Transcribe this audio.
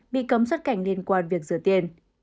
bị cấm xuất cảnh liên quan việc rửa tiền